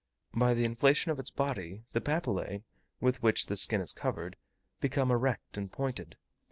By the inflation of its body, the papillae, with which the skin is covered, become erect and pointed.